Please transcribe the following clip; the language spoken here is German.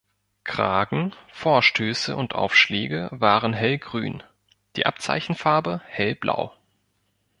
Kragen, Vorstöße und Aufschläge waren hellgrün, die Abzeichenfarbe hellblau.